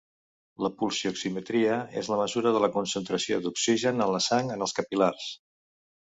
La pulsioximetria és la mesura de la concentració d'oxigen en la sang en els capil·lars.